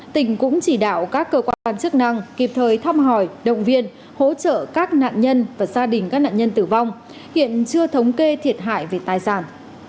tỉnh cũng chỉ đạo các cơ quan chức năng kịp thời thăm hỏi động viên hỗ trợ các nạn nhân và gia đình các nạn nhân tử vong hiện chưa thống kê thiệt hại về tài sản